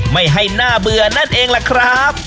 ไม่ให้น่าเบื่อนั่นเองล่ะครับ